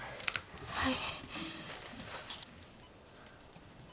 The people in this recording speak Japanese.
はい。